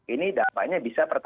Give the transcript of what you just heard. ini dampaknya bisa